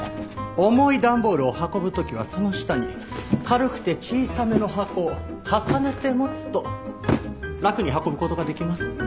重い段ボールを運ぶ時はその下に軽くて小さめの箱を重ねて持つと楽に運ぶ事ができます。